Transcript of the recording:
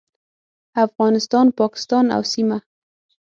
افغانستان، پاکستان او سیمه